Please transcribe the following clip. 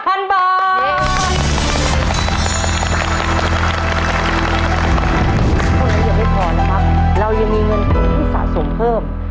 ตอนนี้แม่พรนะครับเรายังมีเงินทุนที่สะสมเพิ่ม